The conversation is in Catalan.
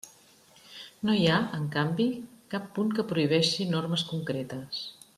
No hi ha, en canvi, cap punt que prohibeixi normes concretes.